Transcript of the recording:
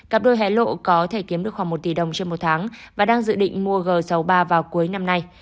cặp đôi hé lộ có thể kiếm được khoảng một tỷ đồng trên một tháng và đang dự định mua g sáu mươi ba vào cuối năm nay